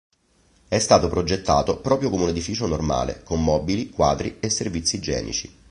È stato progettato proprio come un edificio normale, con mobili, quadri e servizi igienici.